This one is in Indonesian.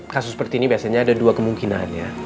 kasus seperti ini biasanya ada dua kemungkinannya